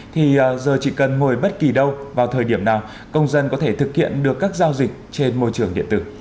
thì giờ chỉ cần ngồi bất kỳ đâu vào thời điểm nào công dân có thể thực hiện được các giao dịch trên môi trường điện tử